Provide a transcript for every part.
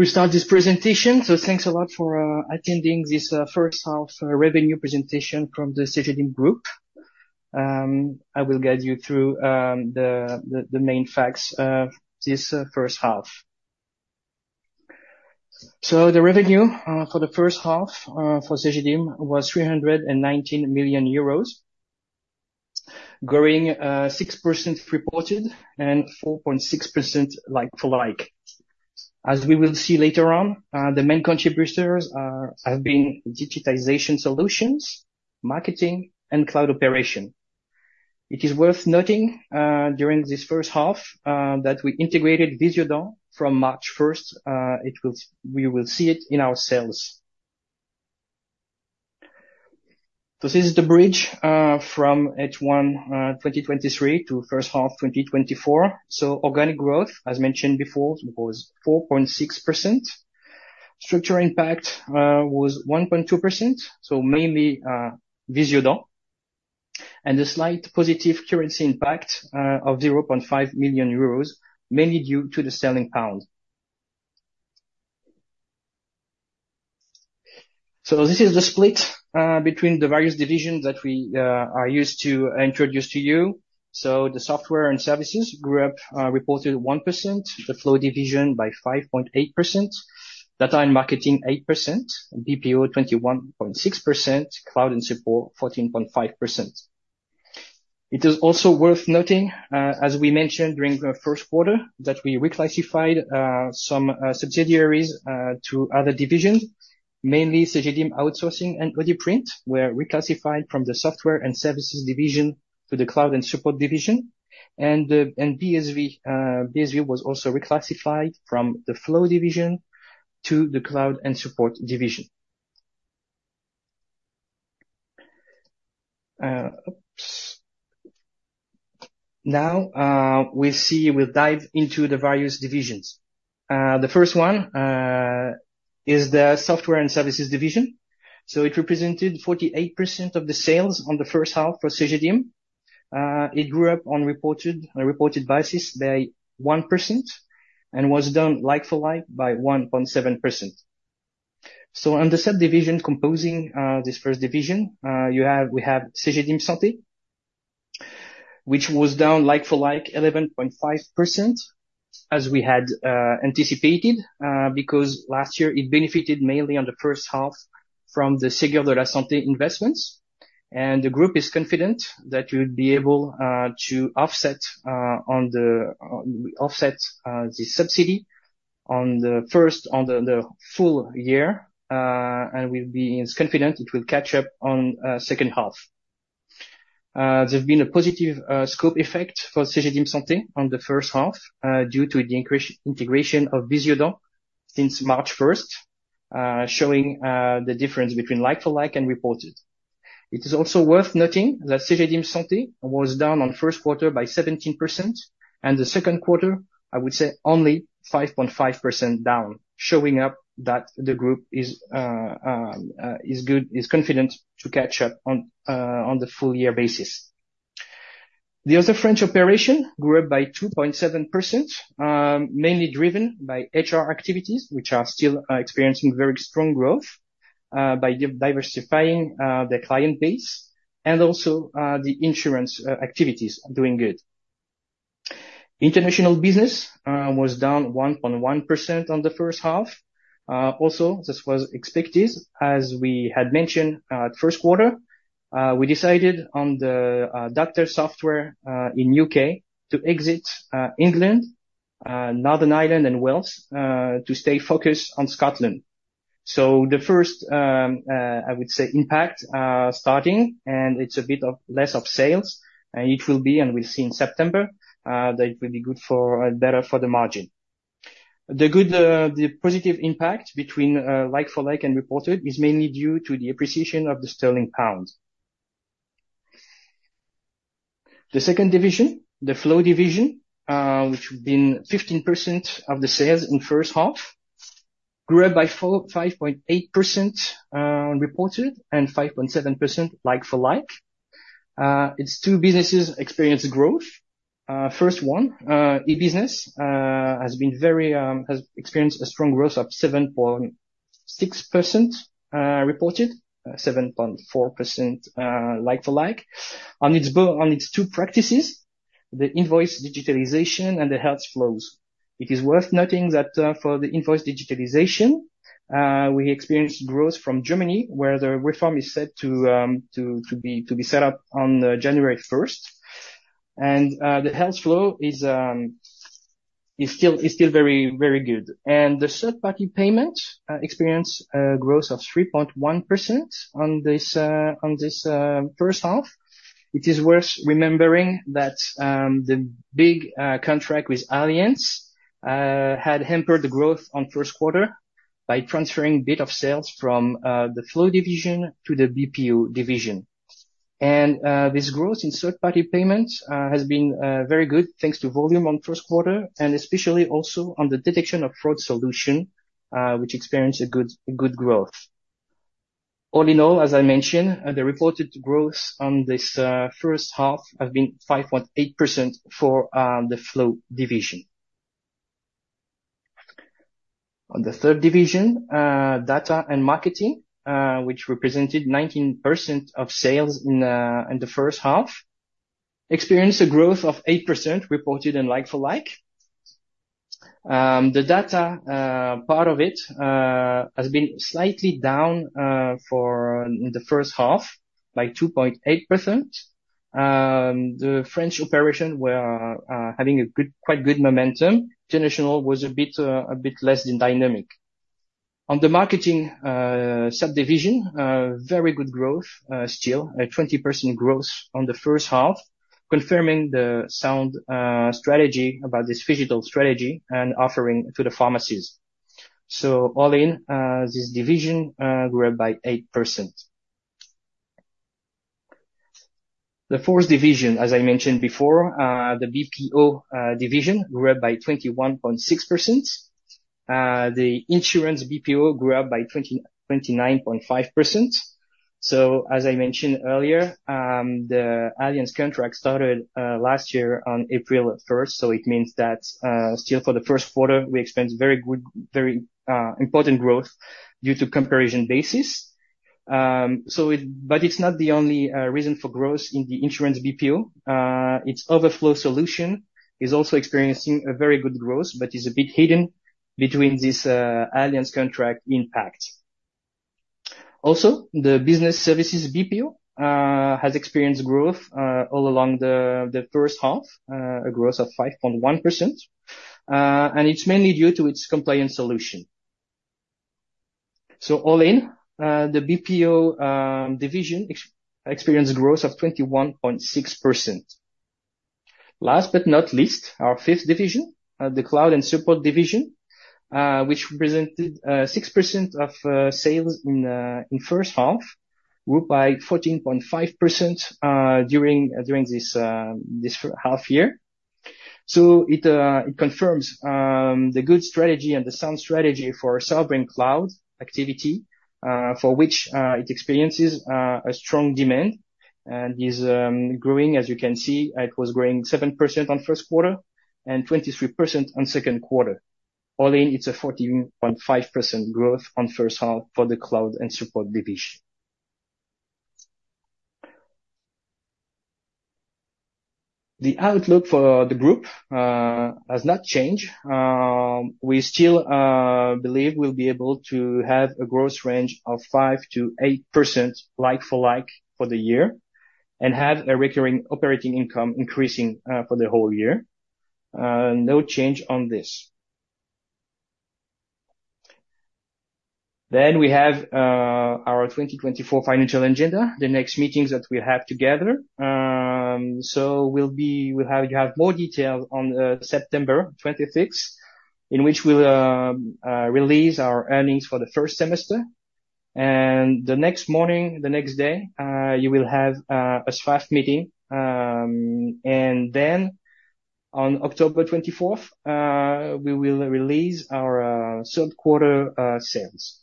We start this presentation. Thanks a lot for attending this first half revenue presentation from the Cegedim Group. I will guide you through the main facts of this first half. The revenue for the first half for Cegedim was 319 million euros, growing 6% reported and 4.6% like-for-like. As we will see later on, the main contributors have been digitization solutions, marketing, and cloud operation. It is worth noting during this first half that we integrated Visiodent. From March 1st, we will see it in our sales. This is the bridge from H1 2023 to first half 2024. Organic growth, as mentioned before, was 4.6%. Structural impact was 1.2%, so mainly Visiodent. The slight positive currency impact of 0.5 million euros, mainly due to the sterling pound. This is the split between the various divisions that we are used to introduce to you. So the software and services grew up reported 1%, the flow division by 5.8%, data and marketing 8%, BPO 21.6%, cloud and support 14.5%. It is also worth noting, as we mentioned during the first quarter, that we reclassified some subsidiaries to other divisions, mainly Cegedim Outsourcing and Audiprint were reclassified from the software and services division to the cloud and support division. BSV was also reclassified from the flow division to the cloud and support division. Now we'll see, we'll dive into the various divisions. The first one is the software and services division. So it represented 48% of the sales on the first half for Cegedim. It grew up on reported basis by 1% and was done like-for-like by 1.7%. So on the subdivision composing this first division, we have Cegedim Santé, which was down like-for-like 11.5%, as we had anticipated, because last year it benefited mainly on the first half from the Ségur de la Santé investments. And the group is confident that we would be able to offset the subsidy on the first, on the full year, and we'll be confident it will catch up on the second half. There's been a positive scope effect for Cegedim Santé on the first half due to the integration of Visiodent since March 1st, showing the difference between like-for-like and reported. It is also worth noting that Cegedim Santé was down on the first quarter by 17%, and the second quarter, I would say, only 5.5% down, showing up that the group is confident to catch up on the full year basis. The other French operation grew up by 2.7%, mainly driven by HR activities, which are still experiencing very strong growth by diversifying the client base, and also the insurance activities doing good. International business was down 1.1% on the first half. Also, this was expected, as we had mentioned at first quarter, we decided on the doctor software in the U.K. to exit England, Northern Ireland, and Wales to stay focused on Scotland. So the first, I would say, impact starting, and it's a bit less of sales, and it will be, and we'll see in September, that it will be good for better for the margin. The positive impact between like-for-like and reported is mainly due to the appreciation of the sterling pound. The second division, the flow division, which been 15% of the sales in the first half, grew up by 5.8% reported and 5.7% like-for-like. Its two businesses experienced growth. First one, e-business, has experienced a strong growth of 7.6% reported, 7.4% like-for-like. On its two practices, the invoice digitalization and the health flows. It is worth noting that for the invoice digitalization, we experienced growth from Germany, where the reform is set to be set up on January 1st. And the health flow is still very good. And the third-party payment experienced a growth of 3.1% on this first half. It is worth remembering that the big contract with Allianz had hampered the growth on the first quarter by transferring a bit of sales from the flow division to the BPO division. And this growth in third-party payments has been very good thanks to volume on the first quarter, and especially also on the detection of fraud solution, which experienced a good growth. All in all, as I mentioned, the reported growth on this first half has been 5.8% for the Cloud division. On the third division, data and marketing, which represented 19% of sales in the first half, experienced a growth of 8% reported in like-for-like. The data part of it has been slightly down for the first half, by 2.8%. The French operation were having a quite good momentum. International was a bit less than dynamic. On the marketing subdivision, very good growth still, 20% growth on the first half, confirming the sound strategy about this phygital strategy and offering to the pharmacies. So all in, this division grew by 8%. The fourth division, as I mentioned before, the BPO division grew up by 21.6%. The insurance BPO grew up by 29.5%. So, as I mentioned earlier, the Allianz contract started last year on April 1st, so it means that still for the first quarter, we expect very good, very important growth due to comparison basis. But it's not the only reason for growth in the insurance BPO. Its overflow solution is also experiencing a very good growth, but it's a bit hidden between this Allianz contract impact. Also, the business services BPO has experienced growth all along the first half, a growth of 5.1%. It's mainly due to its compliance solution. All in, the BPO division experienced growth of 21.6%. Last but not least, our fifth division, the cloud and support division, which represented 6% of sales in the first half, grew by 14.5% during this half year. It confirms the good strategy and the sound strategy for sovereign cloud activity, for which it experiences a strong demand. It's growing, as you can see, it was growing 7% on the first quarter and 23% on the second quarter. All in, it's a 14.5% growth on the first half for the cloud and support division. The outlook for the group has not changed. We still believe we'll be able to have a growth range of 5%-8% like-for-like for the year and have a recurring operating income increasing for the whole year. No change on this. We have our 2024 financial agenda, the next meetings that we'll have together. We'll have more detail on September 26th, in which we'll release our earnings for the first semester. The next morning, the next day, you will have a staff meeting. Then on October 24th, we will release our third quarter sales.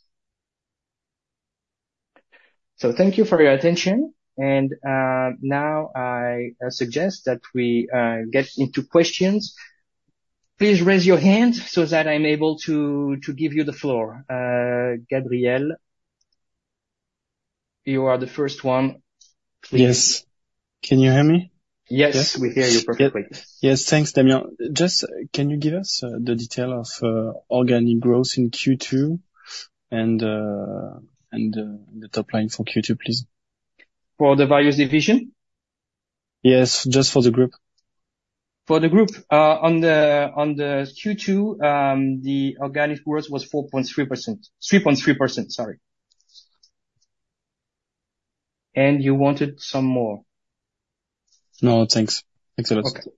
Thank you for your attention. Now I suggest that we get into questions. Please raise your hand so that I'm able to give you the floor. Gabriel, you are the first one, please. Yes. Can you hear me? Yes, we hear you perfectly. Yes, thanks, Damien. Just can you give us the detail of organic growth in Q2 and the top line for Q2, please? For the various division? Yes, just for the group. For the group, on the Q2, the organic growth was 4.3%. 3.3%, sorry. And you wanted some more. No, thanks. Excellent. Okay.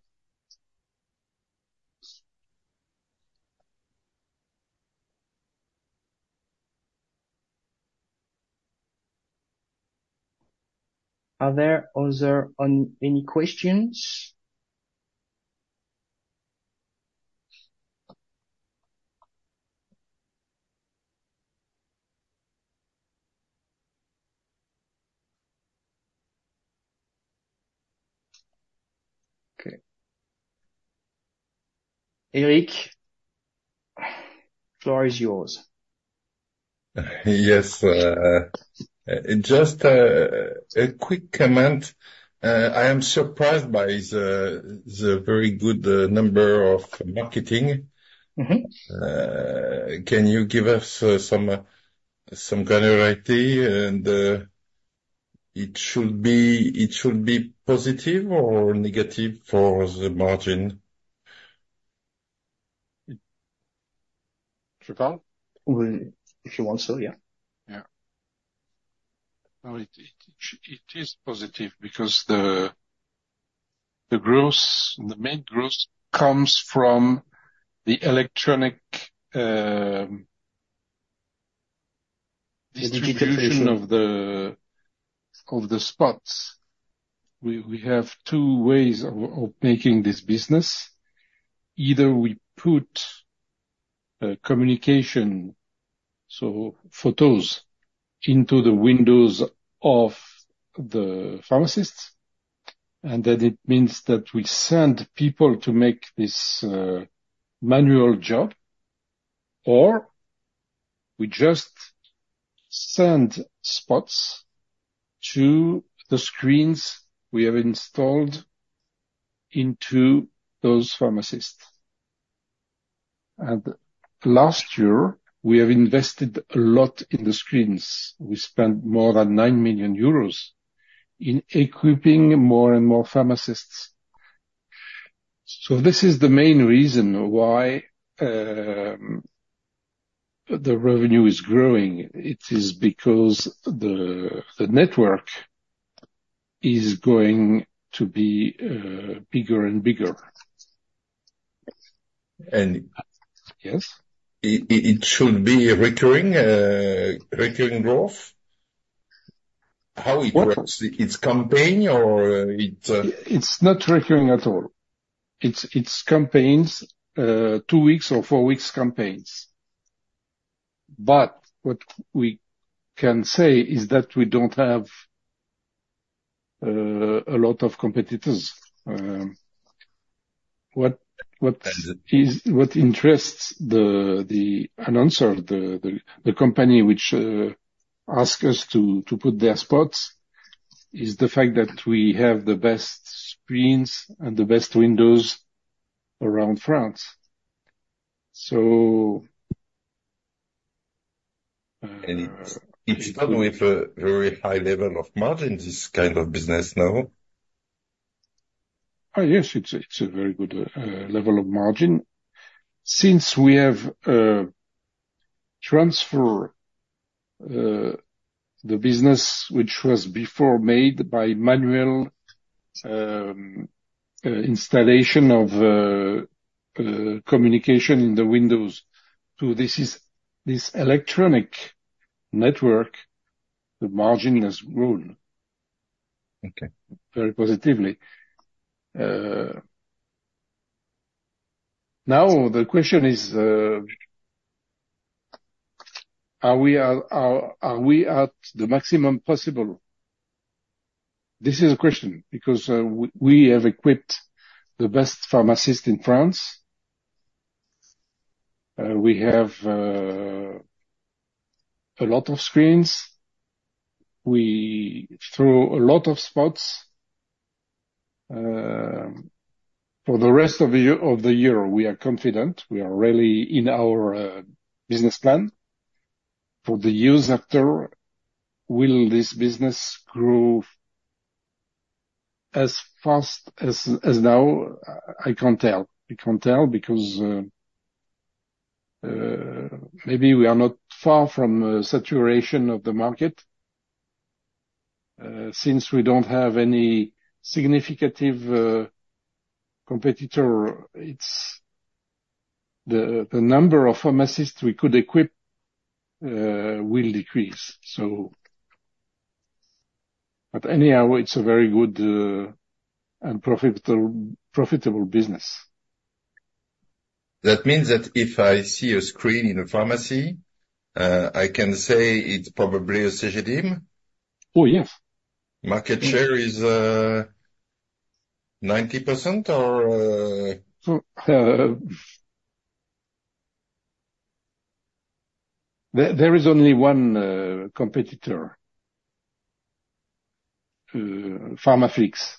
Are there any questions? Okay. Eric, floor is yours. Yes. Just a quick comment. I am surprised by the very good number of marketing. Can you give us some granularity? It should be positive or negative for the margin? Siofran? If you want to, yeah. Yeah. No, it is positive because the main growth comes from the electronic distribution of the spots. We have two ways of making this business. Either we put communication, so photos, into the windows of the pharmacists, and then it means that we send people to make this manual job, or we just send spots to the screens we have installed into those pharmacists. And last year, we have invested a lot in the screens. We spent more than 9 million euros in equipping more and more pharmacists. So this is the main reason why the revenue is growing. It is because the network is going to be bigger and bigger. And yes? It should be recurring growth. How it works? It's campaign or it's? It's not recurring at all. It's campaigns, two weeks or four weeks campaigns. But what we can say is that we don't have a lot of competitors. What interests the announcer, the company which asks us to put their spots, is the fact that we have the best screens and the best windows around France. So. It's done with a very high level of margin, this kind of business, no? Yes, it's a very good level of margin. Since we have transferred the business, which was before made by manual installation of communication in the windows, so this electronic network, the margin has grown very positively. Now, the question is, are we at the maximum possible? This is a question because we have equipped the best pharmacists in France. We have a lot of screens. We throw a lot of spots. For the rest of the year, we are confident. We are really in our business plan. For the years after, will this business grow as fast as now? I can't tell. I can't tell because maybe we are not far from saturation of the market. Since we don't have any significant competitor, the number of pharmacists we could equip will decrease. So, but anyhow, it's a very good and profitable business. That means that if I see a screen in a pharmacy, I can say it's probably a Cegedim? Oh, yes. Market share is 90% or? There is only one competitor, Pharmaflix.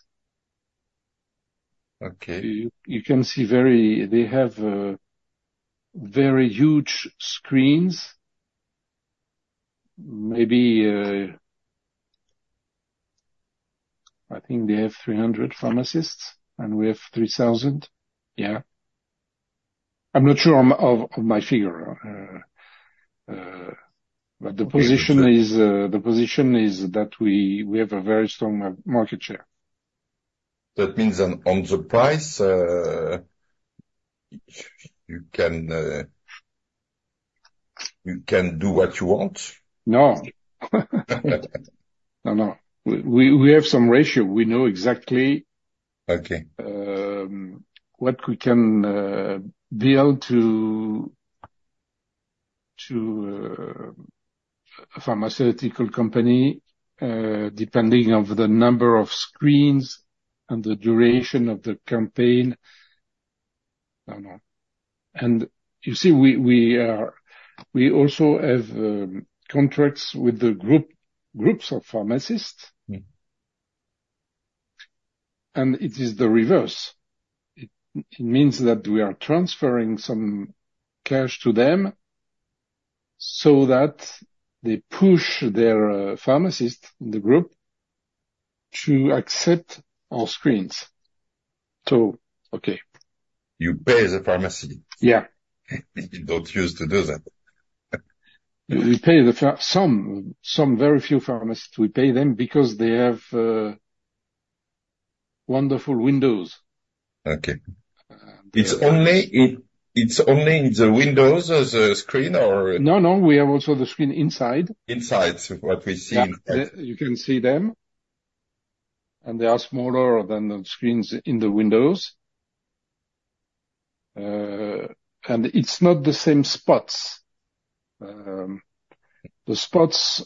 You can see very they have very huge screens. Maybe I think they have 300 pharmacists, and we have 3,000. Yeah. I'm not sure of my figure. But the position is that we have a very strong market share. That means on the price, you can do what you want? No. No, no. We have some ratio. We know exactly what we can build to a pharmaceutical company depending on the number of screens and the duration of the campaign. And you see, we also have contracts with the groups of pharmacists. And it is the reverse. It means that we are transferring some cash to them so that they push their pharmacists in the group to accept our screens. So, okay. You pay the pharmacy? Yeah. You don't use to do that. We pay some very few pharmacists. We pay them because they have wonderful windows. Okay. It's only in the windows or the screen or? No, no. We have also the screen inside. Inside, so what we see inside. You can see them. They are smaller than the screens in the windows. It's not the same spots. The spots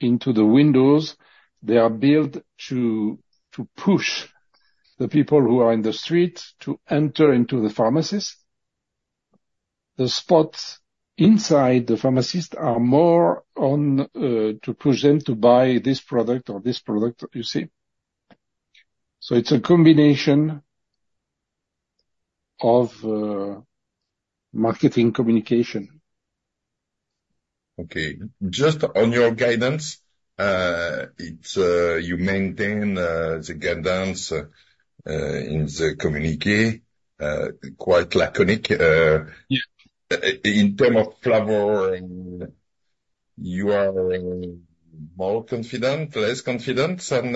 into the windows, they are built to push the people who are in the street to enter into the pharmacy. The spots inside the pharmacy are more on to push them to buy this product or this product, you see? It's a combination of marketing communication. Okay. Just on your guidance, you maintain the guidance in the communiqué, quite laconic. In terms of flavor, you are more confident, less confident, and.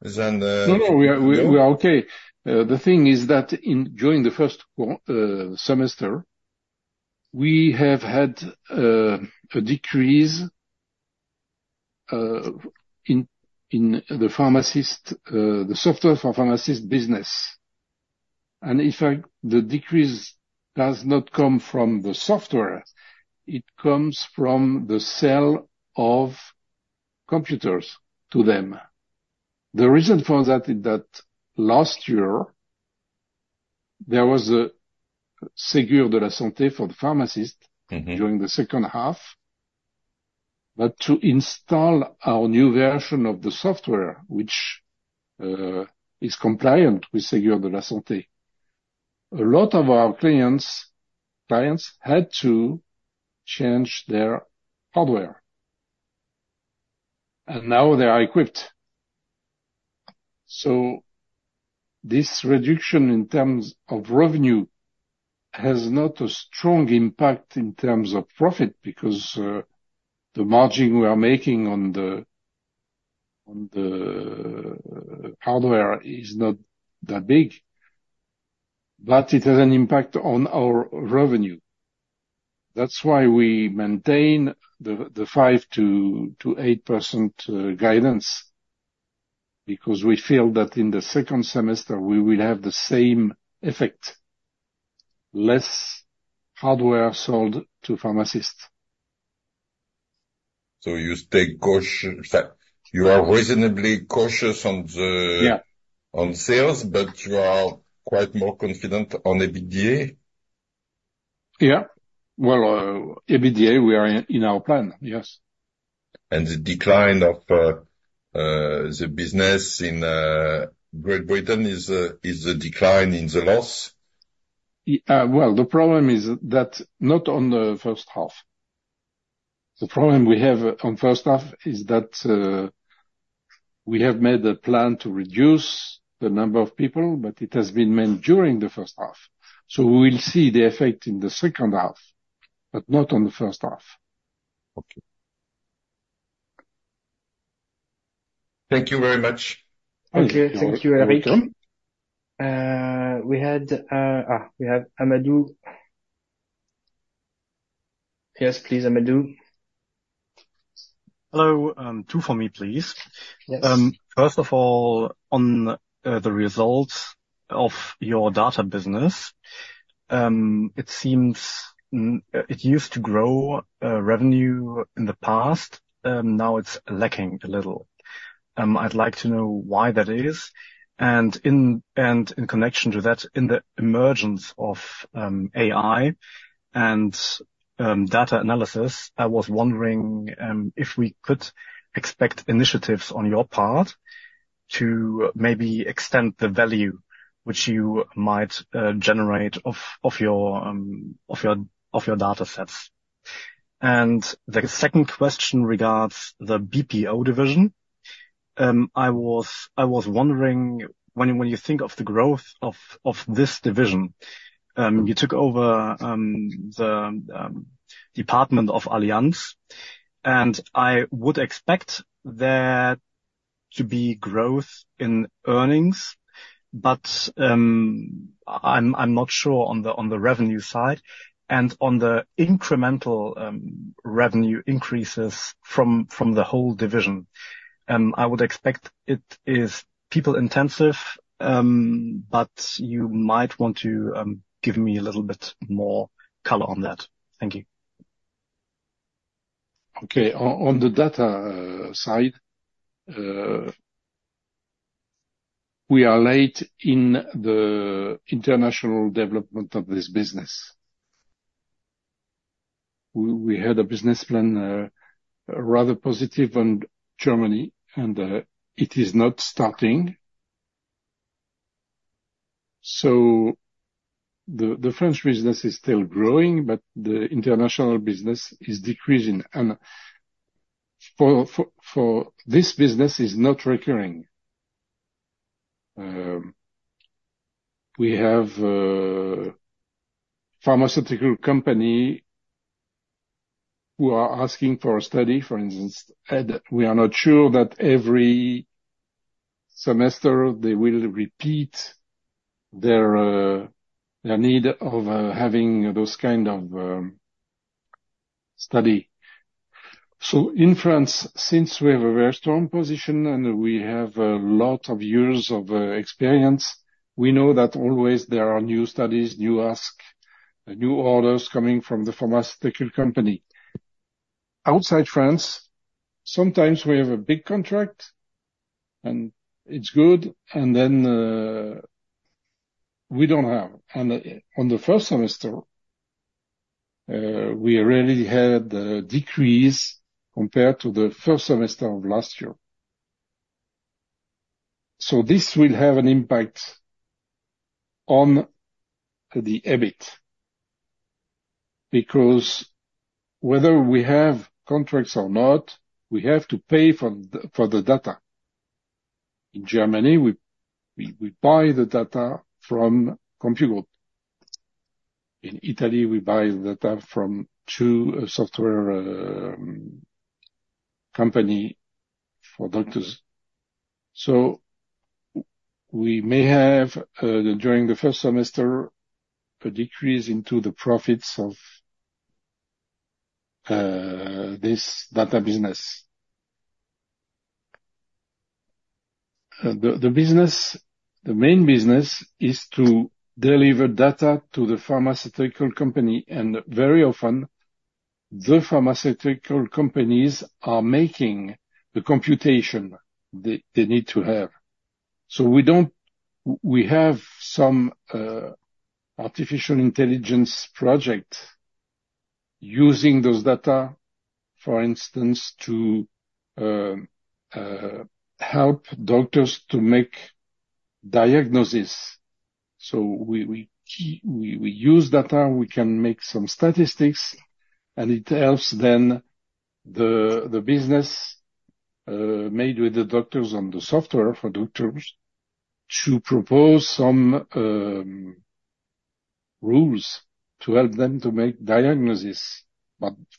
No, no, we are okay. The thing is that during the first semester, we have had a decrease in the software for pharmacist business. And if the decrease does not come from the software, it comes from the sale of computers to them. The reason for that is that last year, there was a Ségur de la Santé for the pharmacist during the second half. But to install our new version of the software, which is compliant with Ségur de la Santé, a lot of our clients had to change their hardware. And now they are equipped. So this reduction in terms of revenue has not a strong impact in terms of profit because the margin we are making on the hardware is not that big. But it has an impact on our revenue. That's why we maintain the 5%-8% guidance because we feel that in the second semester, we will have the same effect: less hardware sold to pharmacists. So you are reasonably cautious on sales, but you are quite more confident on EBITDA? Yeah. Well, EBITDA, we are in our plan, yes. The decline of the business in Great Britain is the decline in the loss? Well, the problem is that not on the first half. The problem we have on the first half is that we have made a plan to reduce the number of people, but it has been made during the first half. So we will see the effect in the second half, but not on the first half. Okay. Thank you very much. Okay. Thank you, Eric. We have Amadou. Yes, please, Amadou. Hello. Two for me, please. First of all, on the results of your data business, it seems it used to grow revenue in the past. Now it's lacking a little. I'd like to know why that is. And in connection to that, in the emergence of AI and data analysis, I was wondering if we could expect initiatives on your part to maybe extend the value which you might generate of your data sets. And the second question regards the BPO division. I was wondering, when you think of the growth of this division, you took over the department of Allianz, and I would expect there to be growth in earnings, but I'm not sure on the revenue side and on the incremental revenue increases from the whole division. I would expect it is people-intensive, but you might want to give me a little bit more color on that. Thank you. Okay. On the data side, we are late in the international development of this business. We had a business plan rather positive on Germany, and it is not starting. So the French business is still growing, but the international business is decreasing. And for this business, it is not recurring. We have pharmaceutical companies who are asking for a study. For instance, we are not sure that every semester they will repeat their need of having those kinds of studies. So in France, since we have a very strong position and we have a lot of years of experience, we know that always there are new studies, new asks, new orders coming from the pharmaceutical company. Outside France, sometimes we have a big contract, and it's good, and then we don't have. And on the first semester, we really had a decrease compared to the first semester of last year. So this will have an impact on the EBIT because whether we have contracts or not, we have to pay for the data. In Germany, we buy the data from CompuGroup Medical. In Italy, we buy the data from a software company for doctors. So we may have, during the first semester, a decrease in the profits of this data business. The main business is to deliver data to the pharmaceutical company. And very often, the pharmaceutical companies are making the computation they need to have. So we have some artificial intelligence projects using those data, for instance, to help doctors to make diagnoses. So we use data. We can make some statistics, and it helps then the business made with the doctors on the software for doctors to propose some rules to help them to make diagnoses.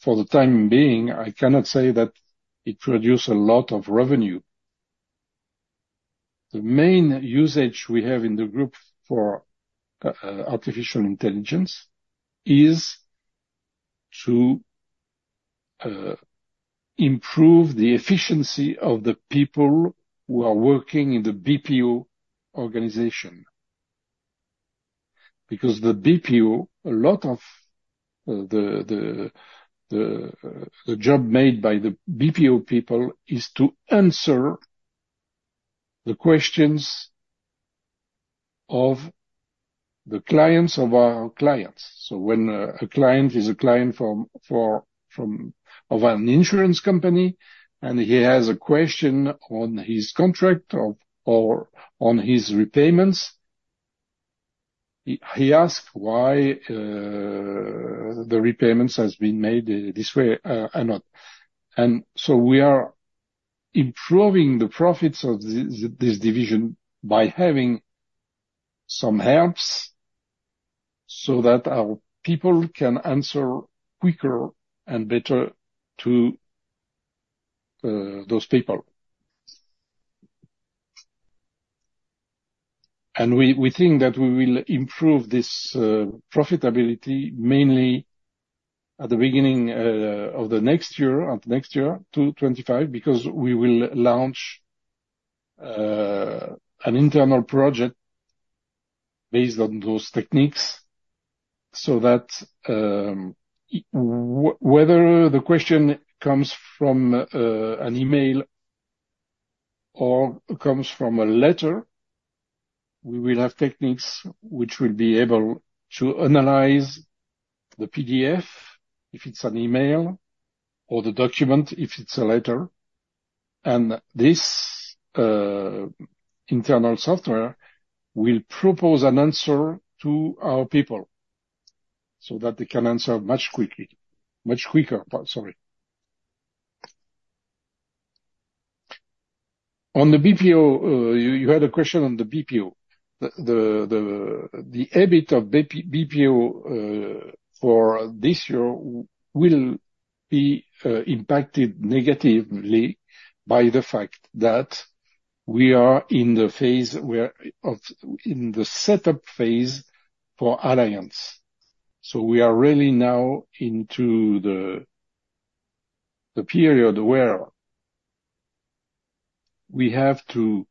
For the time being, I cannot say that it produced a lot of revenue. The main usage we have in the group for artificial intelligence is to improve the efficiency of the people who are working in the BPO organization. Because a lot of the job made by the BPO people is to answer the questions of the clients of our clients. So when a client is a client of an insurance company and he has a question on his contract or on his repayments, he asks why the repayments have been made this way or not. So we are improving the profits of this division by having some helps so that our people can answer quicker and better to those people. We think that we will improve this profitability mainly at the beginning of the next year, 2025, because we will launch an internal project based on those techniques. So that whether the question comes from an email or comes from a letter, we will have techniques which will be able to analyze the PDF if it's an email or the document if it's a letter. This internal software will propose an answer to our people so that they can answer much quicker. On the BPO, you had a question on the BPO. The EBIT of BPO for this year will be impacted negatively by the fact that we are in the setup phase for Allianz. So we are really now into the period where we have to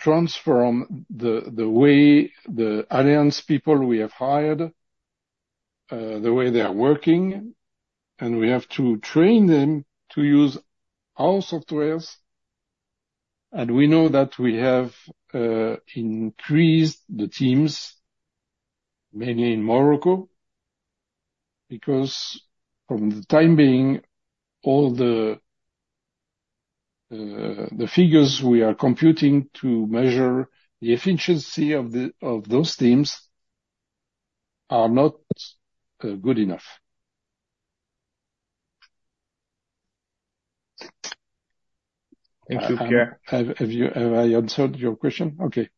transform the way the Allianz people we have hired, the way they are working, and we have to train them to use our softwares. And we know that we have increased the teams, mainly in Morocco, because for the time being, all the figures we are computing to measure the efficiency of those teams are not good enough. Thank you, Pierre. Have I answered your question? Okay.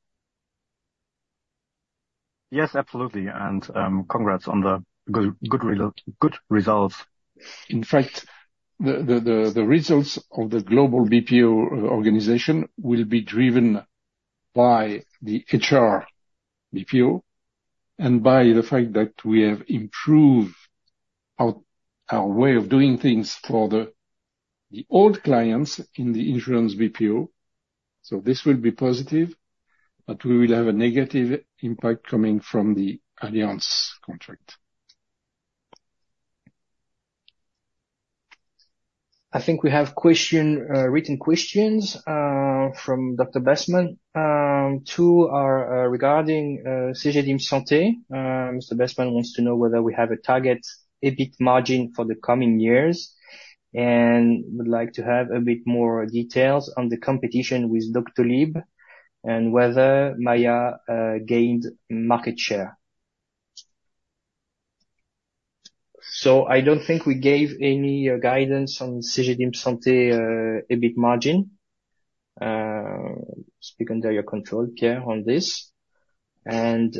Yes, absolutely. And congrats on the good results. In fact, the results of the global BPO organization will be driven by the HR BPO and by the fact that we have improved our way of doing things for the old clients in the insurance BPO. So this will be positive, but we will have a negative impact coming from the Allianz contract. I think we have written questions from Dr. Bessmann too regarding Cegedim Santé. Mr. Bessmann wants to know whether we have a target EBIT margin for the coming years and would like to have a bit more details on the competition with Doctolib and whether Maiia gained market share. So I don't think we gave any guidance on Cegedim Santé EBIT margin. Speak under your control, Pierre, on this. And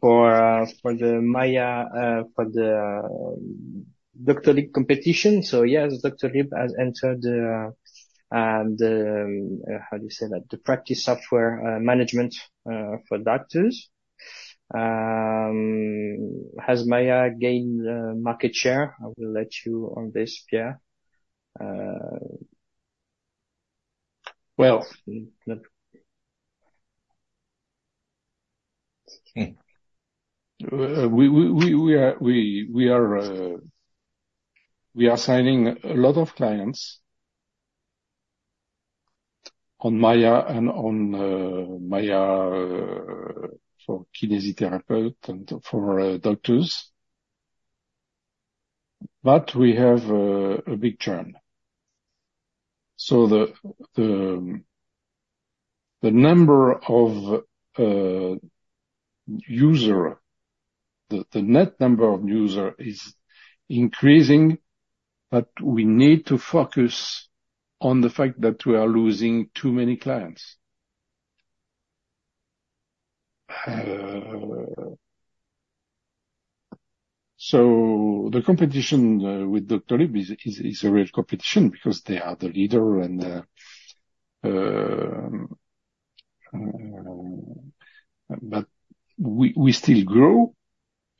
for the Doctolib competition, so yes, Doctolib has entered the, how do you say that, the practice software management for doctors. Has Maiia gained market share? I will let you on this, Pierre. Well. We are signing a lot of clients on Maiia and on Maiia for kinesiotherapists and for doctors. But we have a big churn. So the number of users, the net number of users is increasing, but we need to focus on the fact that we are losing too many clients. So the competition with Doctolib is a real competition because they are the leader. But we still grow.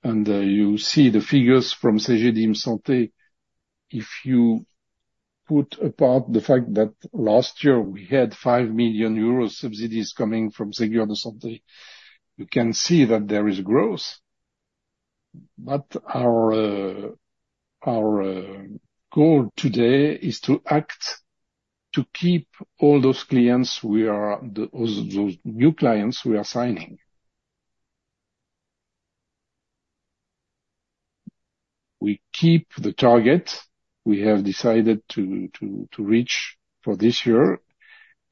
And you see the figures from Cegedim Santé. If you put apart the fact that last year, we had 5 million euros subsidies coming from Cegedim Santé, you can see that there is growth. But our goal today is to act to keep all those clients we are, those new clients we are signing. We keep the target we have decided to reach for this year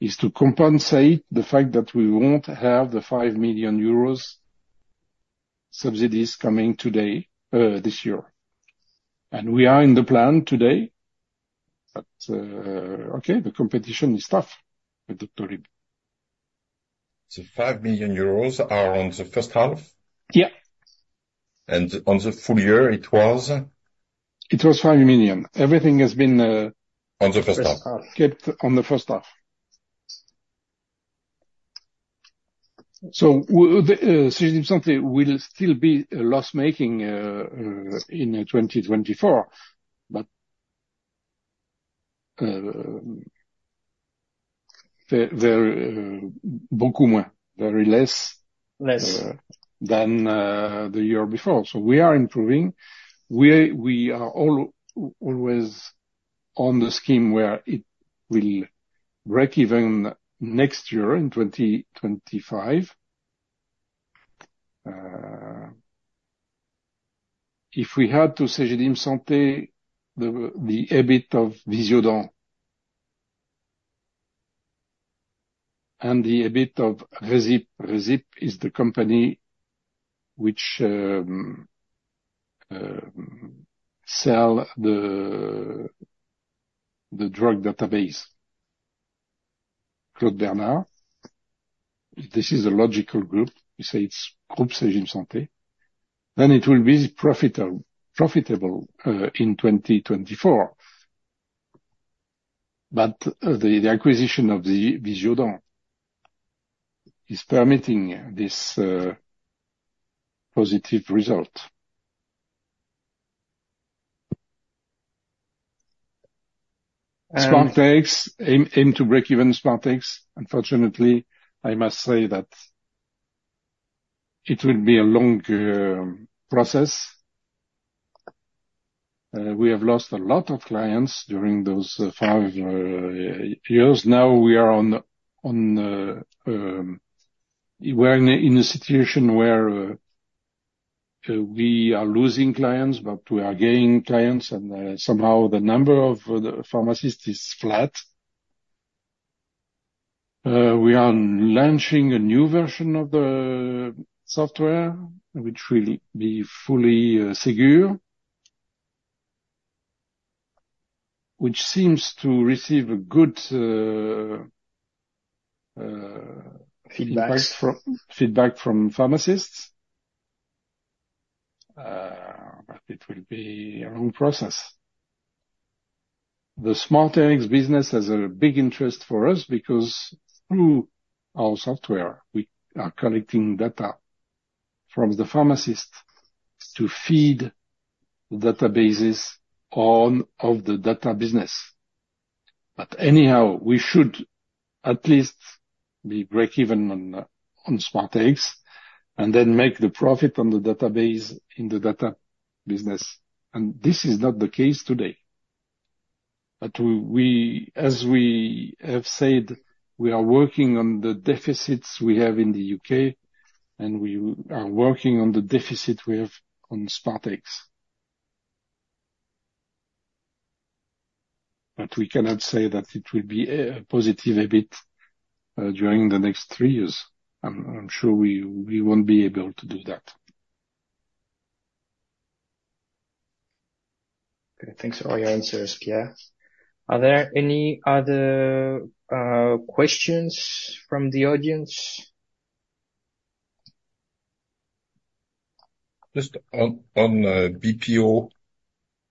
is to compensate the fact that we won't have the 5 million euros subsidies coming today this year. We are in the plan today. Okay, the competition is tough with Doctolib. 5 million euros are on the first half? Yeah. And on the full year, it was? It was 5 million. Everything has been. On the first half. Kept on the first half. So Cegedim Santé will still be a loss-making in 2024, but very less than the year before. So we are improving. We are always on the scheme where it will break even next year in 2025. If we had to Cegedim Santé, the EBIT of Visiodent and the EBIT of RESIP. RESIP is the company which sells the drug database, Claude Bernard. This is a logical group. We say it's Group Cegedim Santé. Then it will be profitable in 2024. But the acquisition of Visiodent is permitting this positive result. Aim to break even Smart Rx. Unfortunately, I must say that it will be a long process. We have lost a lot of clients during those five years. Now we are in a situation where we are losing clients, but we are gaining clients, and somehow the number of pharmacists is flat. We are launching a new version of the software, which will be fully secure, which seems to receive good feedback from pharmacists. But it will be a long process. The Smart Rx business has a big interest for us because through our software, we are collecting data from the pharmacists to feed the databases of the data business. But anyhow, we should at least be break-even on Smart Rx and then make the profit on the database in the data business. And this is not the case today. But as we have said, we are working on the deficits we have in the U.K., and we are working on the deficit we have on Smart Rx. But we cannot say that it will be a positive EBIT during the next three years. I'm sure we won't be able to do that. Okay. Thanks for all your answers, Pierre. Are there any other questions from the audience? Just on BPO,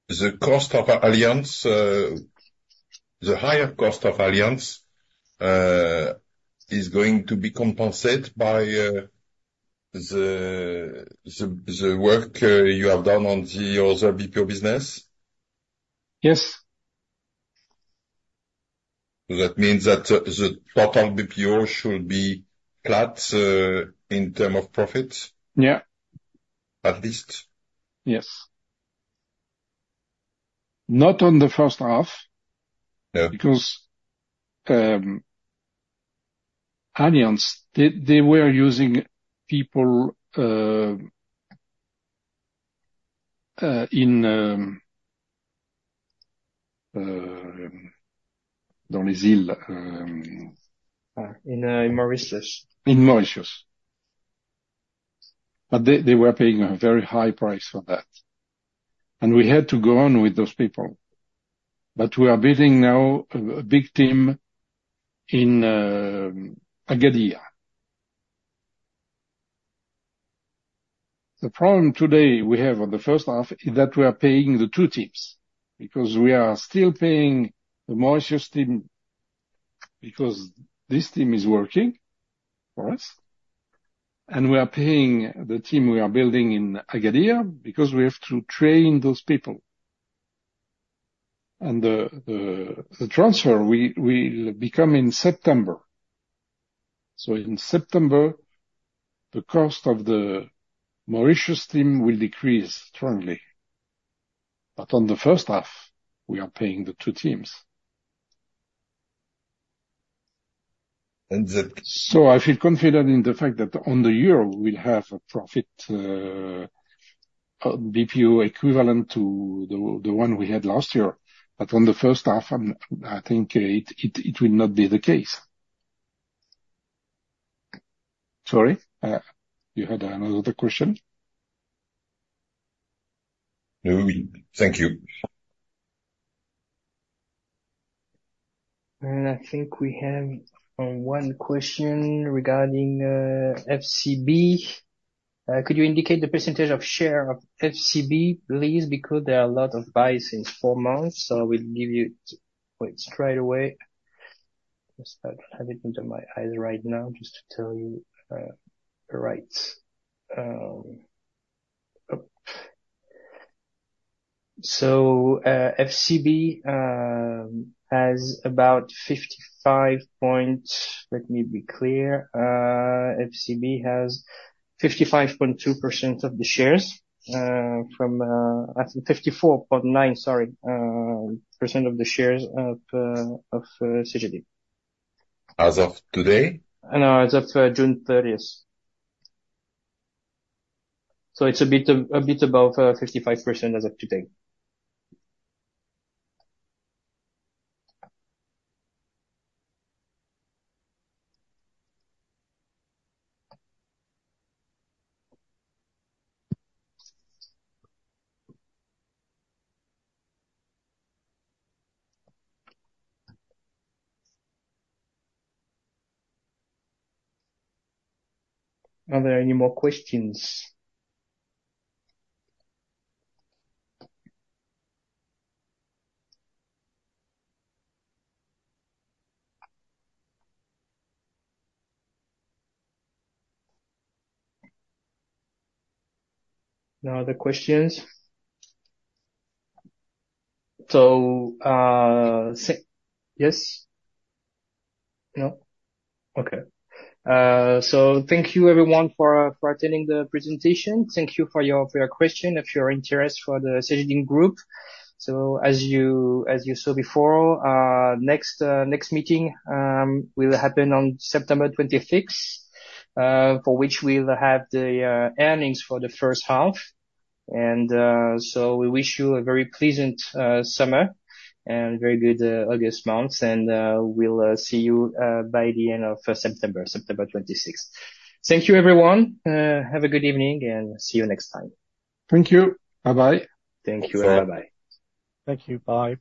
the cost of Allianz, the higher cost of Allianz is going to be compensated by the work you have done on the other BPO business? Yes. That means that the total BPO should be flat in terms of profits, at least? Yes. Not on the first half because Allianz, they were using people in Les Îles. In Mauritius. In Mauritius. But they were paying a very high price for that. And we had to go on with those people. But we are building now a big team in Agadir. The problem today we have on the first half is that we are paying the two teams because we are still paying the Mauritius team because this team is working for us. And we are paying the team we are building in Agadir because we have to train those people. And the transfer will become in September. So in September, the cost of the Mauritius team will decrease strongly. But on the first half, we are paying the two teams. And. So I feel confident in the fact that on the year, we will have a profit BPO equivalent to the one we had last year. But on the first half, I think it will not be the case. Sorry? You had another question? Thank you. I think we have one question regarding FCB. Could you indicate the percentage of share of FCB, please? Because there are a lot of biases for months. So I will give you it straight away. I don't have it under my eyes right now just to tell you right. So FCB has about 55 point, let me be clear. FCB has 55.2% of the shares from 54.9% of the shares of Cegedim. As of today? No, as of June 30th. So it's a bit above 55% as of today. Are there any more questions? No other questions? So yes? No? Okay. So thank you, everyone, for attending the presentation. Thank you for your question, for your interest in the Cegedim Group. So as you saw before, next meeting will happen on September 26th, for which we will have the earnings for the first half. And so we wish you a very pleasant summer and a very good August month. And we'll see you by the end of September, September 26th. Thank you, everyone. Have a good evening and see you next time. Thank you. Bye-bye. Thank you. Bye-bye. Thank you. Bye.